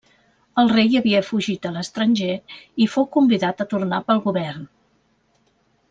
El rei havia fugit a l'estranger i fou convidat a tornar pel govern.